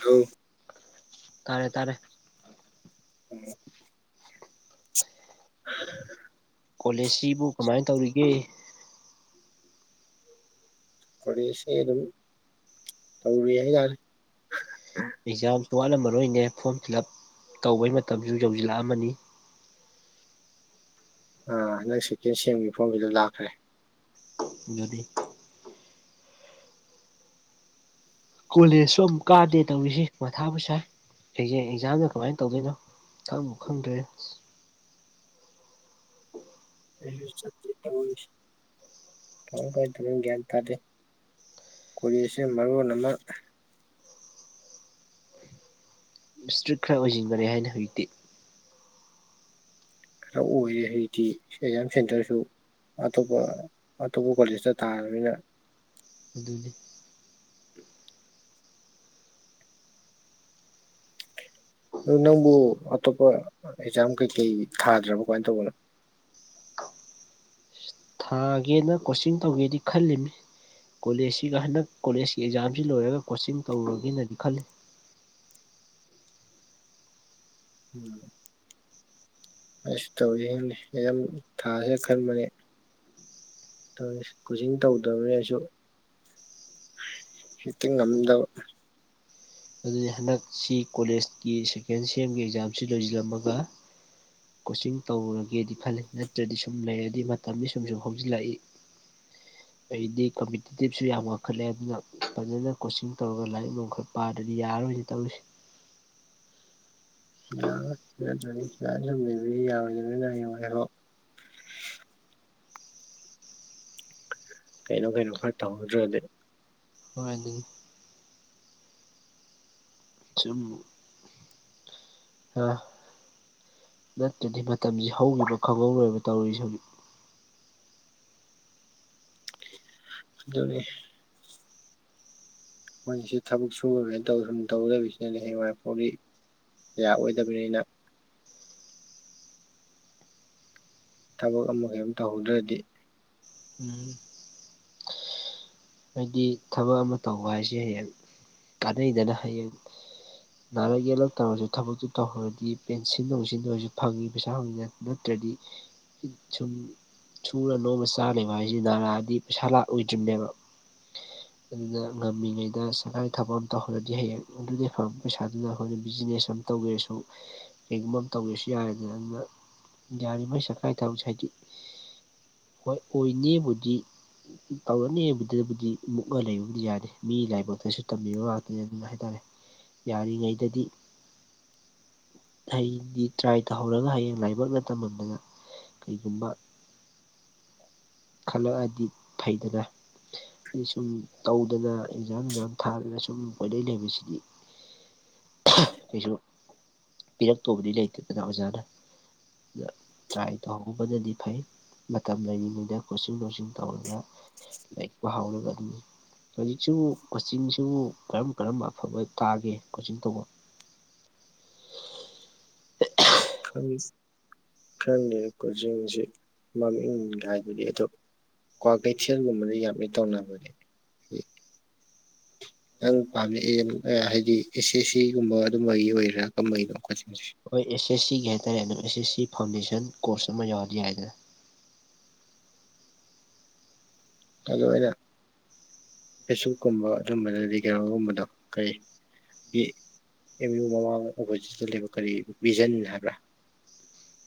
Hello ꯇꯥꯔꯦ ꯇꯥꯔꯦ ꯎꯝ꯫ [inaudible] ꯀꯣꯂꯦꯖꯁꯤꯕꯨ ꯀꯃꯥꯏ ꯇꯧꯔꯤꯒꯦ ꯀꯣꯂꯦꯖꯁꯦ ꯑꯗꯨꯝ ꯇꯧꯔꯤ ꯍꯥꯏꯌꯥ꯭ꯔꯦ ꯑꯦꯛꯖꯥꯝꯁꯨ ꯋꯥꯠꯂꯝꯃꯔꯣꯏꯅꯦ ꯐꯣꯔꯝ ꯐꯤꯜ ꯑꯞ ꯇꯧꯕꯩ ꯃꯇꯝꯁꯨ ꯌꯧꯖꯤꯜꯂꯛꯑꯝꯃꯅꯤ ꯑ ꯍꯟꯗꯛ ꯁꯦꯀꯦꯟ ꯁꯦꯟꯒꯤ ꯐꫭꯔꯝ ꯐꯤꯜ ꯑꯞ ꯂꯥꯛꯈ꯭ꯔꯦ ꯑꯗꯨꯗꯤ ꯀꯣꯂꯦꯖꯁꯨ ꯑꯃꯨꯛ ꯀꯥꯗꯦ ꯇꯧꯔꯤꯁꯤ ꯃꯊꯥꯕꯨ ꯁꯥꯏ ꯑꯩꯁꯦ ꯑꯦꯛꯖꯥꯝꯗ ꯀꯃꯥꯏ ꯇꯧꯗꯣꯏꯅꯣ ꯈꯪꯕꯨ ꯈꯪꯗ꯭ꯔꯦ [inaudible] ꯑꯩꯁꯨ ꯆꯠꯇꯦ ꯇꯧꯔꯤꯁꯦ ꯀꯃꯥꯏ ꯀꯃꯥꯏ ꯐꯖꯅꯥ ꯒ꯭ꯌꯥꯟ ꯇꯥꯗꯦ ꯀꯣꯂꯦꯖꯁꯤꯅ ꯃꯔꯣꯟ ꯑꯃ ꯏꯁꯇ꯭ꯔꯤꯛꯠ ꯈꯔ ꯑꯣꯏꯁꯤꯟꯈꯔꯦ ꯍꯥꯏꯅꯦ ꯍꯧꯖꯤꯛꯇꯤ ꯈꯔ ꯑꯣꯏꯔꯦ ꯑꯩꯗꯤ ꯑꯦꯛꯖꯥꯝ ꯁꯦꯟꯇꯔꯁꯨ ꯑꯇꯣꯞꯄ ꯑꯇꯣꯞꯄ ꯀꯣꯂꯦꯖꯇ ꯇꯥꯔꯕꯅꯤꯅ ꯑꯗꯨꯅꯤ ꯗꫭ ꯅꯪꯕꯨ ꯑꯇꯣꯞꯄ ꯑꯦꯛꯖꯥꯝ ꯀꯩꯀꯩ ꯊꯥꯗ꯭ꯔꯥꯕ ꯀꯃꯥꯏ ꯇꯧꯕꯅꯣ ꯊꯥꯒꯦꯅ ꯀꯣꯆꯤꯡ ꯇꯧꯒꯦꯗꯤ ꯈꯜꯂꯤꯃꯤ ꯀꯣꯂꯦꯖꯁꯤꯒ ꯍꯟꯗꯛ ꯀꯣꯂꯦꯖꯀꯤ ꯑꯦꯛꯖꯥꯝꯁꯤ ꯂꯣꯏꯔꯒ ꯀꯣꯆꯤꯡ ꯇꯧꯔꯒꯦꯅꯗꯤ ꯈꯜꯂꯤ ꯎꯝ꯫ ꯑꯁ ꯇꯧꯔꯤꯅꯤ ꯑꯦꯛꯖꯥꯝ ꯊꯥꯁꯤꯔꯥ ꯈꯟꯕꯅꯦ ꯇꯧꯏꯁꯦ ꯀꯣꯆꯤꯡ ꯇꯧꯗꯕ꯭ꯔꯥꯁꯨ ꯍꯦꯛꯇ ꯉꯝꯗꯕ ꯑꯗꯨꯗꯤ ꯍꯟꯗꯛꯁꯤ ꯀꯣꯂꯦꯖꯀꯤ ꯁꯦꯀꯦꯟ ꯁꯦꯝꯒꯤ ꯑꯦꯛꯖꯥꯝꯁꯤ ꯂꯣꯏꯁꯤꯜꯂꯝꯃꯥꯒ ꯀꯣꯆꯤꯡ ꯇꯧꯔꯒꯦꯗꯤ ꯈꯜꯂꯤ ꯅꯠꯇ꯭ꯔꯥꯗꯤ ꯁꯨꯝ ꯂꯩꯔꯗꯤ ꯃꯇꯝꯗꯤ ꯁꯨꯝ ꯁꯨꯝ ꯍꯧꯖꯤꯜꯂꯛꯏ ꯑꯩꯗꯤ ꯀꯝꯄꯤꯇꯦꯇꯤꯞꯁꯨ ꯌꯥꯝ ꯋꯥꯡꯈꯠꯂꯦ ꯑꯗꯨꯅ ꯐꯖꯅꯥ ꯀꯣꯆꯤꯡ ꯇꯧꯔꯒ ꯂꯥꯏꯔꯤꯛ ꯅꯨꯡ ꯈꯔꯥ ꯄꯥꯗ꯭ꯔꯗꯤ ꯌꯥꯔꯣꯏꯅꯦ ꯇꯧꯔꯤꯁꯤ꯫ ꯌꯥꯔꯔꯣꯏ ꯂꯦꯞꯇ꯭ꯔꯗꯤ [unintelligible] ꯂꯩꯕꯗꯤ ꯌꯥꯔꯣꯏꯗꯅꯤꯅ [unintelligible] ꯀꯩꯅꯣ ꯀꯩꯅꯣ ꯈꯔ ꯇꯧꯍꯧꯗ꯭ꯔꯗꯤ ꯃꯥꯅꯤ ꯆꯨꯝ ꯍꯥ ꯅꯠꯇ꯭ꯔꯗꯤ ꯃꯇꯝꯖꯤ ꯍꯧꯒꯤꯕ ꯈꯪꯍꯧꯔꯣꯏꯕ ꯇꯔꯤꯁꯤ ꯍꯧꯖꯤꯛ꯫ ꯑꯗꯨꯅꯦ ꯃꯣꯏꯁꯤ ꯊꯕꯛ ꯁꯨꯔꯣꯏꯅ ꯇꯧ ꯁꯨꯝ ꯇꯧ ꯂꯩꯕꯁꯤꯅꯗꯅꯦ ꯍꯌꯦꯡꯋꯥꯏ [unintelligible] ꯌꯥꯔꯛꯑꯣꯏꯗꯕꯅꯤꯅ꯫ ꯊꯕꯛ ꯑꯃ ꯀꯩꯃ ꯇꯧꯍꯧꯗ꯭ꯔꯗꯤ ꯎꯝ ꯍꯥꯏꯗꯤ ꯊꯕꯛ ꯑꯃ ꯇꯧꯕ ꯍꯥꯏꯁꯦ ꯍꯌꯦꯡ ꯀꯥꯟꯅꯩꯗꯅ ꯍꯌꯦꯡ꯫ ꯅꯥꯔꯛ ꯌꯦꯛꯂꯛ ꯇꯧꯔꯁꯨ ꯊꯕꯛꯇꯨ ꯇꯧꯍꯧꯔꯗꯤ ꯄꯦꯟꯁꯤꯟ ꯅꯨꯡꯁꯤꯟ ꯑꯣꯏꯔꯁꯨ ꯐꯪꯉꯤ ꯄꯩꯁꯥ [unintelligible] ꯅꯠꯇ꯭ꯔꯗꯤ ꯁꯨꯝ ꯁꯨꯔ ꯅꯣꯝꯃ ꯆꯥ ꯂꯩꯕ ꯍꯥꯏꯁꯤ ꯅꯥꯔꯛꯑꯗꯤ ꯄꯩꯁꯥ ꯂꯥꯛꯑꯣꯏꯗ꯭ꯔꯤꯝꯅꯦꯕ꯫ ꯑꯗꯨꯅ ꯉꯝꯃꯤꯉꯩꯗ ꯁꯔꯀꯥꯔꯒꯤ ꯊꯕꯛ ꯑꯃ ꯇꯧꯍꯧꯔꯗꯤ ꯍꯌꯦꯡ ꯑꯗꯨꯗꯩ ꯐꯪꯉꯛꯄ ꯄꯩꯁꯥꯗꯨꯅ ꯍꯣꯔꯦꯟ ꯕꯤꯖꯤꯅꯦꯁ ꯑꯃ ꯇꯧꯒꯦꯁꯨ ꯀꯩꯒꯨꯝꯕ ꯑꯃ ꯇꯧꯒꯦꯁꯨ ꯌꯥꯔꯦꯗꯅ ꯑꯗꯨꯅ ꯌꯥꯔꯤꯕꯩ ꯁꯀꯥꯔꯒꯤ ꯊꯕꯛꯁꯦ ꯍꯥꯏꯗꯤ ꯍꯣꯏ ꯑꯣꯏꯅꯤꯕꯨꯗꯤ ꯇꯧꯔꯅꯤꯕꯨꯗꯤ [unintelligible] ꯗꯤ ꯃꯨꯛꯅ ꯂꯩꯕꯕꯨꯗꯤ ꯌꯥꯗꯦ ꯃꯤ ꯂꯥꯏꯕꯛꯇꯁꯨ ꯇꯝꯕꯤꯕ ꯉꯥꯛꯇꯅꯤ ꯑꯗꯨꯅ ꯍꯥꯏꯇꯥꯔꯦ꯫ ꯌꯥꯔꯤꯉꯩꯗꯗꯤ ꯍꯩꯗꯤ ꯇ꯭ꯔꯥꯏ ꯇꯧꯍꯧꯔꯒ ꯍꯌꯦꯡ ꯂꯥꯏꯕꯛꯅ ꯇꯝꯃꯝꯗꯅ ꯀꯩꯒꯨꯝꯕ ꯈꯜꯂꯛꯑꯗꯤ ꯐꯩꯗꯅ꯫ ꯑꯩ ꯁꯨꯝ ꯇꯧꯗꯅ ꯑꯦꯛꯖꯥꯝ ꯅꯨꯡꯖꯥꯝ ꯊꯥꯗꯅ ꯁꯨꯝ ꯄꯣꯏꯂꯩ ꯂꯩꯕꯁꯤꯗꯤ ꯀꯩꯁꯨ ꯄꯤꯔꯛꯇꯧꯕꯗꯤ ꯂꯩꯇꯦꯗꯅ ꯑꯣꯖꯥꯅ꯫ ꯗ ꯇ꯭ꯔꯥꯏ ꯇꯧꯍꯧꯕꯅꯗꯤ ꯐꯩ ꯃꯇꯝ ꯂꯩꯔꯤꯉꯩꯗ꯫ ꯀꯣꯆꯤꯡ ꯅꯣꯆꯤꯡ ꯇꯧꯔꯒ ꯂꯥꯏꯔꯤꯛ ꯄꯥꯍꯧꯔꯒꯗꯤ ꯍꯧꯖꯤꯛꯁꯨ ꯀꯣꯆꯤꯡꯁꯨ ꯀꯔꯝ ꯀꯔꯝꯕ ꯑꯐꯕ ꯇꯥꯒꯦ ꯀꯣꯆꯤꯡ ꯇꯧꯕꯝ? ꯈꯪ ꯈꯪꯗꯦꯗ ꯀꯣꯖꯤꯡꯖꯤ ꯃꯃꯤꯡꯒꯥꯏꯗꯨꯗꯤ ꯑꯗꯨ ꯀ꯭ꯋꯥ ꯀꯩꯊꯦꯜꯒꯨꯝꯕꯗ ꯌꯥꯝ ꯏꯠ ꯇꯧꯅꯕꯅꯦ꯫ ꯅꯪ ꯄꯥꯝꯃꯛꯑꯦ ꯑ ꯍꯥꯏꯗꯤ ꯑꯦꯁ ꯑꯦꯁ ꯁꯤꯒꯨꯝꯕ ꯑꯗꯨꯝꯕꯒꯤ ꯑꯣꯏꯔꯥ ꯀꯝꯕꯩꯅꯣ ꯀꯣꯆꯤꯡꯁꯦ? ꯍꯣꯏ ꯑꯦꯁ ꯑꯦꯁ ꯁꯤꯒꯤ ꯍꯥꯏꯇꯥꯔꯦ ꯑꯦꯁ ꯑꯦꯁ ꯁꯤ ꯐꯥꯎꯟꯗꯦꯁꯟ ꯀꯣꯔꯁ ꯑꯃ ꯌꯥꯎꯔꯗꯤ ꯌꯥꯏꯗꯅ꯫ ꯑꯗꯣ ꯑꯩꯅ ꯄꯦꯁꯕꯨꯛꯀꯨꯝꯕ ꯑꯗꯨꯝꯕꯗꯗꯤ ꯀꯩꯅꯣꯒꯨꯝꯕꯗꯣ ꯀꯩ ꯒꯤ ꯑꯦꯝ ꯌꯨ ꯃꯃꯥꯡꯗ ꯑꯣꯄꯣꯖꯤꯠꯇ ꯂꯩꯕ ꯀꯔꯤꯕ ꯚꯤꯖꯟ ꯍꯥꯏꯕ꯭ꯔꯥ?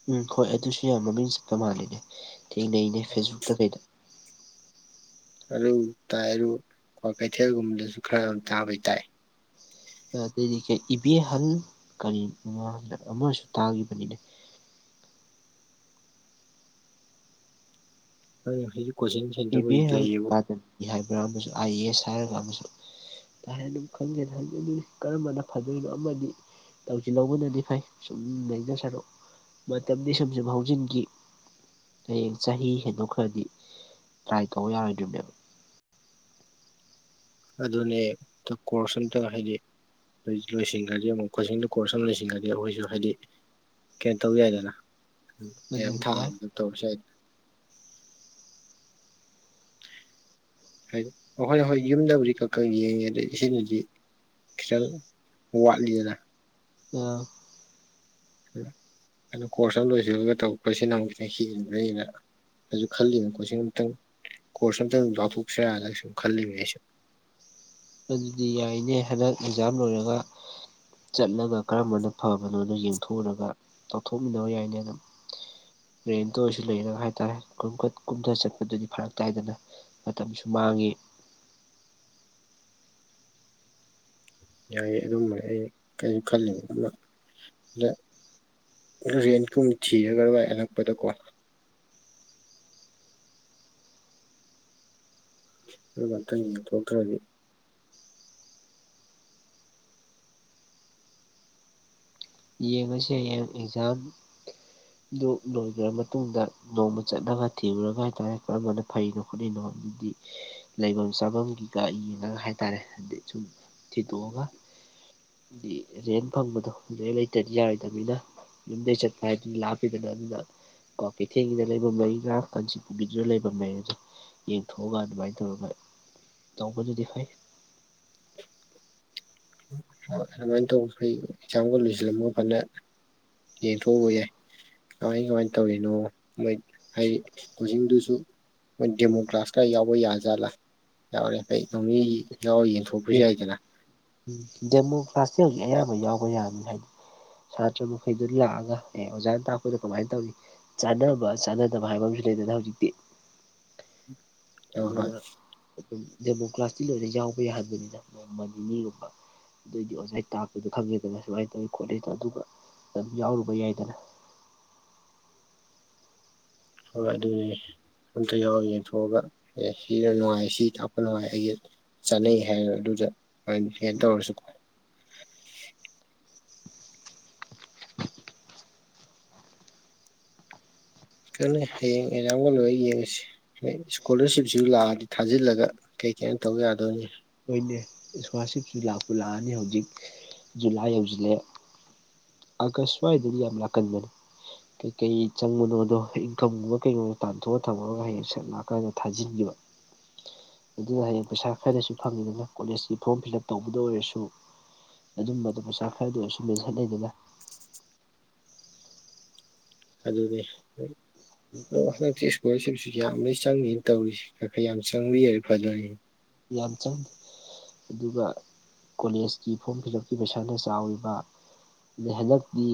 ꯎꯝ ꯍꯣꯏ ꯑꯗꯨꯁꯨ ꯌꯥꯝ ꯃꯃꯤꯡ ꯆꯠꯄ ꯃꯥꯜꯂꯤꯅꯦ ꯊꯦꯡꯅꯩꯅꯦ ꯐꯦꯁꯕꯨꯛꯇ ꯀꯩꯗ꯫ ꯑꯗꯨ ꯇꯥꯏ ꯑꯗꯨ ꯀ꯭ꯋꯥ ꯀꯩꯊꯦꯜꯒꯨꯝꯕꯗꯁꯨ ꯈꯔ ꯑꯗꯨꯝ ꯇꯥꯕꯩ ꯇꯥꯏ꯫ ꯑꯥ ꯑꯇꯩꯗꯤ ꯀꯩ ꯏꯕꯦꯍꯟ ꯀꯔꯤ [unintelligible] ꯑꯃꯁꯨ ꯇꯥꯒꯤꯕꯅꯤꯅ꯫ [unintelligible] ꯀꯣꯆꯤꯡ ꯁꯦꯟꯇꯔꯕꯨꯗꯤ ꯏꯕꯦꯍꯟ ꯂꯩꯌꯦꯕꯨ ꯑꯦꯀꯥꯗꯃꯤ ꯍꯥꯏꯕ꯭ꯔꯥ ꯑꯃꯁꯨ ꯑꯥꯏ ꯑꯦ ꯑꯦꯁ ꯍꯥꯏꯔꯒ ꯑꯃꯁꯨ ꯀꯥ ꯍꯦꯟꯅ ꯈꯪꯖꯦꯗ ꯑꯗꯨꯅꯤ ꯀꯔꯝꯕꯅ ꯐꯗꯣꯏꯅꯣ ꯑꯃꯗꯤ ꯇꯧꯖꯤꯜꯂꯧꯕꯅꯗꯤ ꯐꯩ ꯁꯨꯝ ꯂꯩꯗꯧ ꯁꯔꯨꯛ ꯃꯇꯝꯗꯤ ꯁꯨꯝ ꯁꯨꯝ ꯍꯧꯖꯤꯟꯒꯤ꯫ ꯍꯌꯦꯡ ꯆꯍꯤ ꯍꯦꯟꯗꯣꯛꯈ꯭ꯔꯗꯤ꯫ ꯇ꯭ꯔꯥꯏ ꯇꯧꯕ ꯌꯥꯔꯣꯏꯗ꯭ꯔꯤꯝꯅꯦꯕ꯫ ꯑꯗꯨꯅꯦ [unintelligible] ꯀꯣꯔꯁ ꯑꯝꯇ ꯍꯥꯏꯗꯤ꯫ ꯂꯣꯏ ꯂꯣꯏꯁꯤꯟꯈ꯭ꯔꯗꯤ ꯑꯃꯨꯛ ꯀꯣꯆꯤꯡꯗ ꯀꯣꯔꯁ ꯑꯃ ꯂꯣꯏꯁꯤꯟꯈ꯭ꯔꯗꯤ ꯑꯩꯈꯣꯏꯁꯨ ꯍꯥꯏꯗꯤ ꯀꯩꯅꯣ ꯇꯧ ꯌꯥꯏꯗꯅ [inaudible] ꯀꯩꯝ ꯑꯗꯨꯗꯤ ꯌꯥꯏ ꯊꯥꯕꯗ ꯇꯧꯔꯁꯨ ꯌꯥꯏꯗꯅ꯫ ꯍꯥꯏ ꯑꯍꯣꯏ ꯍꯣꯏ ꯌꯨꯝꯗꯕꯨꯗꯤ ꯈ꯭ꯔ ꯀ ꯌꯦꯡꯉꯦ [unintelligible] ꯁꯤꯅꯗꯤ ꯈꯤꯇꯪ ꯋꯥꯠꯂꯤꯅ ꯌꯥ ꯑꯗꯣ ꯀꯣꯔꯁ ꯑꯃ ꯂꯣꯏꯁꯤꯜꯂꯒ ꯇꯧꯔꯛꯄꯁꯦ ꯅꯪ ꯆꯍꯤ ꯑꯃ ꯈꯔ ꯍꯦꯟꯅ ꯑꯩꯁꯨ ꯈꯜꯂꯤꯕꯅꯤ ꯀꯣꯆꯤꯡ ꯑꯃꯇꯪ ꯀꯣꯔꯁ ꯑꯃꯝꯇꯪ ꯌꯥꯎꯊꯣꯛꯁꯤꯔ ꯌꯥꯅ ꯁꯨꯝ ꯈꯜꯂꯤꯅꯦ ꯑꯩꯁꯨ ꯑꯗꯨꯗꯤ ꯌꯥꯏꯅꯦ ꯍꯟꯗꯛ ꯑꯦꯛꯖꯥꯝ ꯂꯣꯏꯔꯒ꯫ ꯆꯠꯂꯒ ꯀꯔꯝꯕꯅ ꯐꯕꯅꯣꯗꯣ ꯌꯦꯡꯊꯣꯛꯎꯔꯒ ꯇꯧꯊꯣꯛꯃꯤꯟꯅꯕ ꯌꯥꯏꯅꯦ ꯑꯗꯨꯝ꯫ ꯔꯦꯟꯇ ꯑꯣꯏꯔꯁꯨ ꯂꯩꯔꯒ ꯍꯥꯏꯇꯥꯔꯦ ꯀꯟꯈꯠ ꯀꯨꯝꯊ ꯆꯠꯄꯗꯨꯗꯤ ꯐꯔꯛ ꯇꯥꯏꯗꯅ꯫ ꯃꯇꯝꯁꯨ ꯃꯥꯡꯉꯤ꯫ ꯌꯥꯏꯌꯦ ꯑꯗꯨꯝꯕ ꯑꯩ ꯀꯩꯝ ꯈꯜꯂꯤꯕ ꯑꯃ ꯅ ꯔꯦꯟꯀꯨꯝ ꯊꯤꯔꯒ ꯕꯥꯏ ꯍꯜꯂꯛꯄꯗꯀꯣ ꯑꯗꯨꯒ ꯉꯥꯛꯇꯪ ꯌꯦꯡꯊꯣꯛꯇ꯭ꯔꯗꯤ꯫ ꯌꯦꯡꯉꯁꯦ ꯍꯌꯦꯡ ꯑꯦꯛꯖꯥꯝ ꯗꯨ ꯂꯣꯏꯈ꯭ꯔ ꯃꯇꯨꯡꯗ ꯅꯣꯡꯃ ꯆꯠꯂꯒ ꯊꯤꯔꯨꯔꯒ ꯍꯥꯏꯇꯥꯔꯦ ꯀꯔꯝꯕꯅ ꯐꯩꯅꯣ ꯈꯣꯠꯂꯤꯅꯣ ꯑꯗꯨꯗꯤ ꯂꯩꯐꯝ ꯆꯥꯐꯝꯒꯤꯒ ꯌꯦꯡꯉꯒ ꯍꯥꯏꯇꯥꯔꯦ ꯍꯥꯏꯗꯤ ꯁꯨꯝ ꯊꯤꯗꯣꯛꯑꯒ꯫ ꯗꯤ ꯔꯦꯟ ꯐꯪꯕꯗꯣ ꯔꯦꯟꯠ ꯂꯩ ꯇꯗꯤ ꯌꯥꯔꯣꯏꯗꯝꯅꯤꯅ ꯌꯨꯝꯗꯩ ꯆꯠꯄ ꯍꯥꯏꯗꯨꯗꯤ ꯂꯥꯞꯄꯤꯗꯅ ꯑꯗꯨꯅ ꯀ꯭ꯋꯥꯀꯩꯊꯦꯜꯒꯤꯗ ꯂꯩꯕ ꯃꯩꯔꯥ ꯀꯥꯟꯆꯤꯄꯨꯨꯔꯒꯤꯗ ꯂꯩꯕ ꯃꯩ ꯑꯗꯣ ꯌꯦꯡꯊꯣꯛꯑꯒ ꯑꯗꯨꯃꯥꯏꯟ ꯇꯧꯔꯒ ꯇꯧꯕꯅꯗꯤ ꯐꯩ꯫ ꯍꯣꯏ ꯑꯗꯨꯃꯥꯏꯅ ꯇꯧꯕ ꯑꯩ ꯑꯦꯛꯖꯥꯝꯒ ꯂꯣꯏꯁꯤꯜꯂꯝꯃ ꯀꯥꯟꯗ ꯌꯦꯡꯊꯣꯛꯎꯕ ꯌꯥꯏ꯫ ꯀꯃꯥꯏ ꯀꯃꯥꯏꯟ ꯇꯧꯔꯤꯅꯣ ꯃꯣꯏ ꯍꯥꯏ ꯀꯣꯆꯤꯡꯗꯨꯁꯨ ꯃꯣꯏ ꯗꯦꯃꯣ ꯀ꯭ꯂꯥꯁ ꯀ ꯌꯥꯎꯕ ꯌꯥ ꯖꯥꯠꯂꯥ ꯌꯥꯎꯔꯦ ꯍꯩ ꯅꯣ ꯃꯤ ꯌꯥꯎꯔ ꯌꯦꯡꯊꯣꯛ ꯑꯣꯐꯤꯁꯨ ꯌꯥꯢꯗꯅ ꯎꯝ ꯗꯦꯃꯣ ꯀ꯭ꯂꯥꯁꯇꯤ ꯍꯧꯖꯤꯛ ꯑꯌꯥꯝꯕ ꯌꯥꯎꯕ ꯌꯥꯕꯅꯤ ꯍꯥꯏꯗꯤ ꯁꯥꯇ꯭ꯔ ꯃꯈꯩꯗꯨ ꯂꯥꯛꯑꯒ ꯑꯦ ꯑꯣꯖꯥꯅ ꯇꯥꯛꯄꯗꯨ ꯀꯃꯥꯏꯟ ꯇꯧꯋꯤ ꯆꯥꯟꯅꯕ ꯆꯥꯅꯗꯕ ꯍꯥꯏꯕ ꯑꯃꯁꯨ ꯂꯩꯗꯅ ꯍꯧꯖꯤꯛꯇꯤ꯫ ꯍꯣꯏ ꯍꯣꯏ ꯑꯗꯨꯅ ꯑꯗꯨꯝ ꯗꯦꯃꯣ ꯀ꯭ꯂꯥꯁꯇꯤ ꯂꯣꯏꯅ ꯌꯥꯎꯕ ꯌꯥꯍꯟꯕꯅꯤꯅ ꯅꯣꯡꯃ ꯅꯤꯅꯤꯒꯨꯝꯕ꯫ ꯑꯗꯨ ꯑꯣꯏꯗꯤ ꯑꯣꯖꯥꯥꯏ ꯇꯥꯛꯄꯗꯣ ꯈꯪꯉꯦꯗꯅ ꯁꯨꯃꯥꯏꯅ ꯇꯧꯋꯤ ꯈꯣꯠꯂꯤꯗꯣ ꯑꯗꯨꯒ ꯑꯗꯨꯝ ꯌꯥꯎꯔꯨꯕ ꯌꯥꯏꯗꯅ꯫ ꯍꯣꯏ ꯑꯗꯨꯅꯤ ꯑꯝꯇ ꯌꯥꯎꯔꯒ ꯌꯦꯡꯊꯣꯛꯑꯒ ꯑꯦ ꯁꯤꯅ ꯅꯨꯡꯉꯥꯏ ꯁꯤ ꯇꯥꯛꯄ ꯅꯨꯡꯉꯥꯏ ꯑꯩꯒꯤ ꯆꯥꯅꯩ ꯍꯥꯌꯦꯕ ꯑꯗꯨꯗ [unintelligible] ꯇꯧꯔꯁꯨ ꯇꯟꯂꯦ ꯍꯌꯦꯡ ꯑꯦꯖꯥꯝꯒ ꯂꯣꯏꯔ ꯌꯦꯡꯉꯁꯤ꯫ ꯏꯁꯀꯣꯂꯥꯔꯁꯤꯞꯁꯤꯁꯨ ꯂꯥꯛꯑꯗꯤ ꯊꯥꯖꯤꯜꯂꯒ ꯀꯩ ꯀꯩꯅꯣ ꯇꯧ ꯌꯥꯗꯣꯅꯤ꯫ ꯍꯣꯏꯅꯦ ꯏꯁꯀꯣꯂꯥꯔꯁꯤꯞꯁꯨ ꯂꯥꯛꯄꯨ ꯂꯥꯛꯑꯅꯤ ꯍꯧꯖꯤꯛ ꯖꯨꯂꯥꯏ ꯌꯧꯁꯤꯜꯂꯛꯑꯦ꯫ ꯑꯒꯁꯋꯥꯏꯗꯗꯤ ꯌꯥꯝ ꯂꯥꯀꯟꯕꯅꯦ꯫ ꯀꯩꯀꯩ ꯆꯪꯕꯅꯣꯗꯣ ꯏꯟꯀꯝꯒꯨꯝꯕ ꯀꯩꯒꯨꯝꯕ ꯇꯥꯟꯊꯣꯛꯑ ꯊꯝꯃꯒ ꯍꯌꯦꯡ ꯁꯠ ꯂꯥꯛꯑꯀꯥꯟꯗ ꯊꯥꯖꯤꯟꯒꯤꯕ꯫ [inaudible] ꯑꯗꯨ ꯍꯌꯦꯡ ꯄꯩꯁꯥ ꯈꯔꯗꯁꯨ ꯐꯪꯉꯤꯗꯅ ꯀꯣꯂꯦꯖꯀꯤ ꯐꯣꯔꯝ ꯐꯤꯜ ꯑꯞ ꯇꯧꯕꯗ ꯑꯣꯏꯔꯁꯨ꯫ ꯑꯗꯨꯝꯕꯗꯣ ꯄꯩꯁꯥ ꯈꯔꯗꯤ ꯑꯁꯨꯨꯂꯣꯢꯁꯟ ꯂꯩꯗꯅ꯫ ꯑꯗꯨꯅꯦ [unintelligible] ꯏꯁꯀꯣꯂꯔꯁꯤꯞꯁꯨ ꯌꯥꯝꯃꯦ ꯆꯪꯅꯤ ꯇꯧꯔꯤꯁꯤ ꯈꯔ ꯈꯔ ꯌꯥꯝ ꯆꯪꯕꯤꯔ ꯐꯗꯣꯢꯅꯤ꯫ ꯌꯥꯝꯆꯪ ꯑꯗꯨꯒ ꯀꯣꯂꯦꯖꯀꯤ ꯐꯣꯔꯝ ꯐꯤꯜ ꯎꯞꯀꯤ ꯄꯩꯁꯥꯅ ꯆꯥꯎꯔꯤꯕ꯫ ꯍꯟꯗꯛꯀꯤ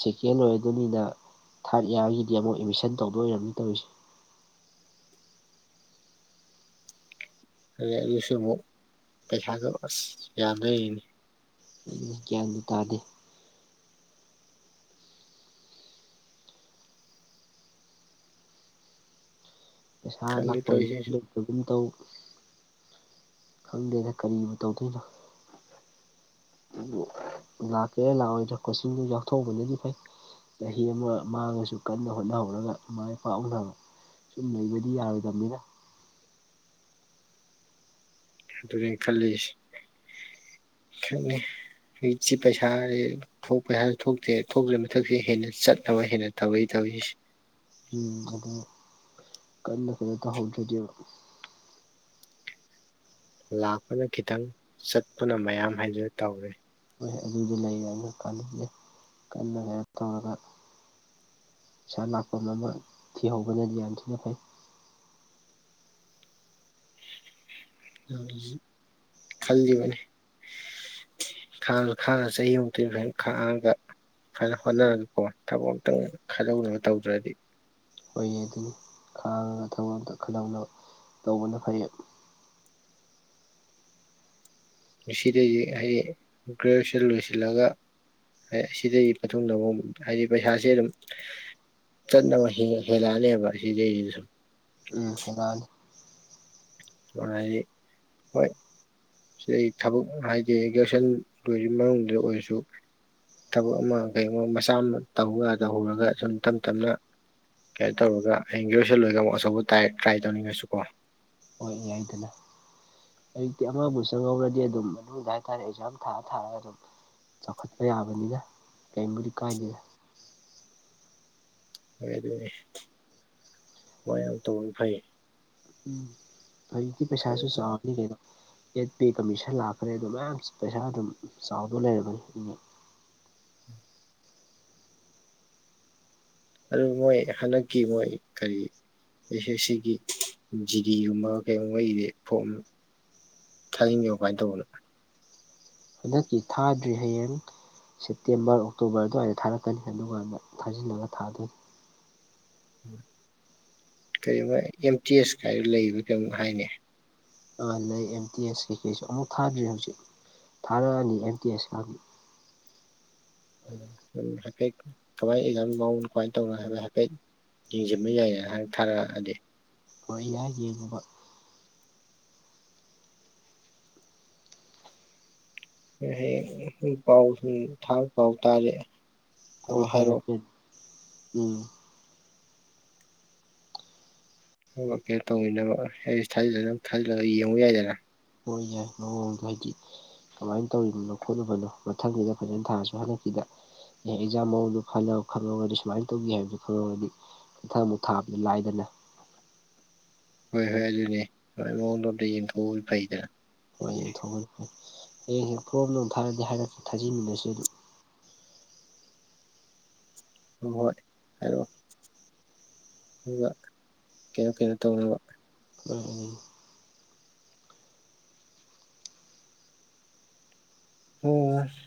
ꯁꯦꯀꯦꯟ ꯑꯣꯏꯔꯤꯗꯨꯅꯤꯅ ꯊꯥꯔꯠ ꯏꯌꯥꯔꯒꯤꯗꯤ ꯑꯃꯨꯛ ꯑꯦꯗꯃꯤꯁꯟ ꯇꯧꯗꯣꯢ ꯑꯣꯏꯔꯝꯅꯤ ꯇꯧꯔꯤꯁꯦ꯫ ꯑꯗꯩ ꯑꯩꯁꯨ ꯑꯃꯨꯛ ꯄꯩꯁꯥꯗꯣ ꯑꯁ ꯌꯥꯗ꯭ꯔꯦ꯫ ꯎꯝ ꯒ꯭ꯌꯥꯟꯕꯨ ꯇꯥꯗꯦ ꯄꯩꯁꯥ ꯈꯪꯗꯦ ꯇꯧꯔꯤꯁꯦ ꯑꯩꯁꯨ ꯂꯥꯛꯄꯝꯗꯣ ꯇꯥꯒꯨꯝ ꯇꯧ ꯈꯪꯗꯦꯗ ꯀꯔꯤꯕꯨ ꯇꯧꯗꯣꯏꯅꯣ ꯑꯗꯨ ꯂꯥꯛꯀꯦꯔꯥ ꯂꯥꯛꯑꯣꯏꯗ꯭ꯔꯥ ꯀꯣꯆꯤꯡꯗꯨ ꯌꯥꯎꯊꯣꯛꯎꯕꯅꯗꯤ ꯐꯩ ꯆꯍꯤ ꯑꯃ ꯃꯥꯡꯉꯁꯨ ꯀꯟꯅ ꯍꯣꯠꯅꯍꯧꯔꯒꯥ ꯃꯥꯏ ꯄꯥꯛꯍꯧꯅꯕ ꯁꯨꯝ ꯂꯩꯩꯕꯗꯤ ꯌꯥꯔꯣꯏꯗꯝꯅꯤꯅ ꯑꯗꯨꯅꯦ ꯈꯜꯂꯤꯁꯤ ꯈꯪꯗꯦ ꯍꯨꯏꯠꯁꯤ ꯄꯩꯁꯥꯖꯤ ꯊꯣꯛꯄꯩ ꯍꯥꯏꯔꯥ ꯊꯣꯛꯇꯦ ꯊꯣꯛꯇ꯭ꯔꯤ ꯃꯊꯛꯁꯤ ꯍꯦꯟꯅ ꯆꯠꯅꯕ ꯍꯦꯟꯅ ꯇꯧꯏ ꯇꯧꯔꯤꯁꯤ ꯎꯝ ꯑꯗꯨꯅꯤ ꯀꯟꯅ ꯀꯩꯅꯣ ꯇꯧꯍꯧꯗ꯭ꯔꯥꯗꯤꯕ ꯂꯥꯛꯄꯅ ꯈꯤꯇꯪ ꯆꯠꯄꯅ ꯃꯌꯥꯝ ꯍꯥꯏꯗꯨ ꯇꯧꯔꯦ ꯍꯣꯏ ꯑꯗꯨꯗꯤ ꯂꯩꯌꯦꯅ ꯀꯥꯟꯅꯗꯦ ꯀꯟꯅꯅꯦ ꯇꯧꯔꯒꯥ ꯁꯥ ꯂꯥꯛꯄꯝ ꯑꯃ ꯊꯤꯍꯧꯕꯅꯗꯤ ꯌꯥꯝ ꯊꯤꯅ ꯐꯩ ꯇꯧꯔꯤꯖꯤ ꯈꯜꯂꯤꯕꯅꯤ ꯈꯥꯡꯉ ꯈꯥꯡꯉ ꯆꯍꯤꯃꯨꯛꯇꯤ ꯑꯗꯨꯃꯥꯏ ꯈꯥꯡꯉꯒꯥ ꯈꯔ ꯍꯣꯠꯅꯔꯒꯥꯀꯣ ꯊꯕꯛ ꯑꯝꯇꯪ ꯈꯜꯍꯧꯅꯕ ꯇꯧꯗ꯭ꯔꯥꯗꯤ ꯍꯣꯏꯌꯦ ꯑꯗꯨꯅꯤ ꯈꯥꯡꯉꯒ ꯊꯕꯛ ꯑꯝꯇꯥ ꯈꯜꯍꯧꯅꯕ ꯇꯧꯕꯅ ꯐꯩ ꯉꯁꯤꯗꯒꯤ ꯑꯩ ꯒ꯭ꯔꯦꯖꯨꯑꯦꯁꯟ ꯂꯣꯏꯁꯤꯜꯂꯒꯥ ꯍꯥꯏ ꯑꯁꯤꯗꯒꯤ ꯃꯇꯨꯡꯗꯥ ꯑꯃꯃꯨꯛ ꯍꯥꯏꯗꯤ ꯄꯩꯁꯥꯁꯦ ꯑꯗꯨꯝ ꯆꯠꯅꯕ ꯍꯦꯜ ꯍꯦꯜꯂꯛꯑꯅꯦꯕ ꯁꯤꯗꯩꯗꯤ ꯁꯨꯝ ꯎꯝ ꯍꯦꯜꯂꯥꯑꯅꯤ [unintelligible] ꯑꯩꯗꯤ ꯍꯣꯏ ꯁꯤꯗꯩ ꯊꯕꯛ ꯍꯥꯏꯗꯤ ꯒ꯭ꯔꯦꯖꯨꯑꯦꯁꯟ ꯂꯣꯏꯗ꯭ꯔꯤ ꯃꯅꯨꯡꯗ ꯑꯣꯏꯔꯁꯨ ꯊꯕꯛ ꯑꯃ ꯀꯩꯒꯨꯝꯕ ꯃꯆꯥ ꯑꯃ ꯇꯧꯍꯧꯌꯥ ꯇꯧꯍꯧꯔꯒꯥ ꯁꯨꯝ ꯇꯝ ꯇꯝꯅ ꯀꯩꯅꯣ ꯇꯧꯔꯒꯥ ꯍꯌꯦꯡ ꯒ꯭ꯔꯦꯖꯨꯑꯦꯁꯟ ꯂꯣꯏꯔꯒꯥ ꯑꯃꯨꯛ ꯑꯆꯧꯕ ꯇꯥꯏ ꯇ꯭ꯔꯥꯏ ꯇꯧꯅꯤꯡꯉꯁꯨꯀꯣ ꯍꯣꯏ ꯌꯥꯏꯗꯅ ꯍꯧꯖꯤꯛꯇꯤ ꯑꯃꯕꯨ ꯆꯪꯍꯧꯔꯗꯤ ꯑꯗꯨꯝ ꯃꯅꯨꯡꯗꯥ ꯃꯥꯟꯅꯤ ꯑꯦꯛꯖꯥꯝ ꯊꯥꯔ ꯊꯥꯔꯒꯥ ꯑꯗꯨꯝ ꯆꯥꯎꯈꯠꯄ ꯌꯥꯕꯅꯤꯅ ꯀꯩꯝꯕꯨꯗꯤ ꯀꯥꯏꯗꯦꯗ ꯍꯣꯏ ꯑꯗꯨꯅꯦ ꯃꯣꯏ ꯌꯥꯝ ꯇꯧꯒꯃꯤ ꯐꯩ ꯎꯝ ꯍꯧꯖꯤꯛꯇꯤ ꯄꯩꯁꯥꯁꯨ ꯆꯥꯎꯔꯕꯅꯤ ꯀꯩꯅꯣ ꯑꯦꯠ ꯄꯦ ꯀꯃꯤꯁꯟ ꯂꯥꯛꯈ꯭ꯔꯦ ꯑꯗꯣ ꯃꯌꯥꯝ ꯄꯩꯁꯥ ꯑꯗꯨꯝ ꯆꯥꯎꯗꯣꯏ ꯂꯩꯔꯕꯅꯦ ꯎꯝ ꯑꯗꯨ ꯃꯣꯏ ꯍꯟꯗꯛꯀꯤ ꯃꯣꯏ ꯀꯔꯤ ꯑꯦꯁ ꯑꯦꯁ ꯁꯤꯒꯤ ꯖꯤꯗꯤꯒꯨꯝꯕ ꯀꯩꯒꯨꯝꯕꯩꯗꯤ ꯐꯣꯝ ꯊꯥꯖꯤꯟꯒꯤꯕ ꯀꯃꯥꯏ ꯇꯧꯕꯅꯣ ꯍꯟꯗꯛꯀꯤ ꯊꯥꯗ꯭ꯔꯤ ꯍꯌꯦꯡ ꯁꯦꯞꯇꯦꯝꯕꯔ ꯑꯣꯛꯇꯣꯕꯔ ꯑꯗꯨꯋꯥꯏꯗꯥ ꯊꯥꯔꯛꯀꯥꯅꯤ ꯑꯗꯨꯒꯥꯟꯗ ꯊꯥꯖꯤꯜꯅꯕ ꯊꯥꯗꯣꯏꯅꯤ ꯀꯩ ꯑꯥ ꯕꯥ ꯑꯦꯝ ꯇꯤ ꯑꯦꯁ ꯀꯥꯏꯅ ꯂꯩꯕ ꯀꯩꯅꯣꯝ ꯍꯥꯏꯅꯦ ꯑꯥ ꯂꯩ ꯑꯦꯝ ꯇꯤ ꯑꯦꯁ ꯀꯩꯀꯩꯁꯨ ꯑꯃꯨꯛ ꯊꯥꯗ꯭ꯔꯤ ꯍꯧꯖꯤꯛ ꯊꯥꯔꯛꯑꯅꯤ ꯑꯦꯝ ꯇꯤ ꯑꯦꯁ ꯎꯝ ꯍꯥꯏꯐꯦꯠ ꯀꯃꯥꯏ ꯑꯦꯛꯖꯥꯝꯒꯤ ꯃꯑꯣꯡ ꯀꯃꯥꯏ ꯇꯧꯔꯤꯅꯣ ꯍꯥꯏꯕꯗꯨ ꯍꯥꯏꯐꯦꯠ ꯌꯦꯡꯖꯤꯟꯕ ꯌꯥꯏꯗꯅ ꯍꯥꯏꯅ ꯊꯥꯔꯛꯑꯗꯤ ꯍꯣꯏ ꯌꯥꯏ ꯌꯦꯡꯉꯨꯕꯥ ꯎꯝ ꯍꯌꯦꯡ ꯄꯥꯎ ꯎꯝ ꯊꯥ ꯄꯥꯎ ꯇꯥꯖꯦ ꯀ꯭ꯔꯣ ꯍꯥꯏꯔꯛꯀꯦ ꯎꯝ [unintelligible] ꯀꯩꯅꯣ ꯇꯧꯃꯤꯟꯅꯕ ꯑꯩ ꯊꯥꯖꯤꯜꯂꯒꯥ ꯊꯥꯖꯤꯜꯂꯒꯥ ꯌꯦꯡꯉꯨ ꯌꯥꯏꯗꯅ ꯍꯣꯏꯅꯦ ꯃꯑꯣꯡꯗꯣ ꯍꯥꯏꯗꯤ ꯀꯃꯥꯏꯟ ꯇꯧꯔꯤꯕꯅꯣ ꯈꯣꯠꯂꯨꯕꯅꯣ ꯃꯊꯪꯒꯤꯗꯥ ꯐꯖꯅ ꯊꯥꯔꯁꯨ ꯍꯟꯗꯛꯀꯤꯗꯥ ꯑꯦ ꯑꯦꯛꯖꯥꯝ ꯃꯑꯣꯡꯗꯣ ꯈꯜꯅꯧ ꯈꯪꯉꯧꯔꯥꯗꯤ ꯁꯨꯃꯥꯏꯟ ꯇꯧꯒꯤ ꯍꯥꯏꯕꯗꯨ ꯈꯪꯍꯧꯔꯥꯗꯤ ꯃꯊꯡ ꯑꯃꯨꯛ ꯊꯥꯕꯗꯤ ꯂꯥꯏꯗꯅ꯫ ꯍꯣꯏ ꯍꯣꯏ ꯑꯗꯨꯅꯦ ꯍꯣꯏ ꯃꯑꯣꯡꯗꯣ ꯑꯝꯇ ꯌꯦꯡꯊꯣꯛꯎꯕꯗꯤ ꯐꯩꯗꯅ꯫ ꯍꯣꯏ ꯌꯦꯡꯊꯣꯛꯎꯕꯗꯤ ꯐꯩ ꯍꯌꯦꯡ ꯐ꯭ꯔꯣꯝ ꯅꯨꯡ ꯊꯥꯔꯗꯤ ꯍꯥꯏꯔꯛꯀꯦ ꯊꯥꯖꯤꯟꯃꯤꯟꯅꯁꯤ ꯑꯗꯨꯝ꯫ ꯍꯣꯏꯍꯣꯏ ꯍꯥꯏꯔꯛꯑꯣ ꯑꯗꯨꯒ ꯀꯩꯅꯣ ꯀꯩꯅꯣ ꯇꯧꯅꯕ꯫ [unintelligible] ꯎꯝ ꯍꯣ ꯑꯁ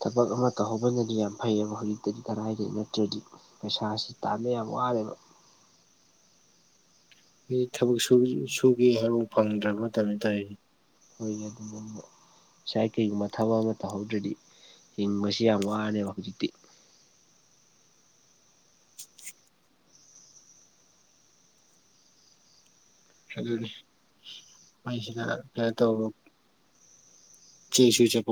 ꯊꯕꯛ ꯑꯃ ꯇꯧꯍꯧꯕꯅꯗꯤ ꯌꯥꯝ ꯐꯩꯌꯦꯕ ꯍꯧꯖꯤꯛꯇꯗꯤ ꯀꯔꯥꯏꯗꯒꯤ ꯅꯠꯇ꯭ꯔꯗꯤ ꯄꯩꯁꯥꯁꯤ ꯇꯥꯟꯕ ꯌꯥꯝ ꯋꯥꯔꯦꯕ꯫ ꯑꯩ ꯊꯕꯛ ꯁꯨ ꯁꯨꯒꯦ ꯍꯥꯏꯕ ꯐꯥꯎ ꯐꯪꯗ꯭ꯔꯕ ꯃꯇꯝꯅꯤ ꯇꯧꯔꯤ ꯍꯣꯏꯅꯦ [inaudible] ꯉꯁꯥꯏ ꯀꯩꯒꯨꯝꯕ ꯊꯕꯛ ꯑꯃ ꯇꯧꯍꯧꯗ꯭ꯔꯗꯤ ꯍꯤꯡꯕꯁꯦ ꯌꯥꯝ ꯋꯥꯔꯅꯦꯕ ꯍꯧꯖꯤꯛꯇꯤ꯫ ꯑꯗꯨꯅꯤ ꯃꯩꯁꯤꯅ ꯀꯩꯅꯣ ꯇꯧ [unintelligible] ꯆꯦꯁꯨ ꯆꯠꯄ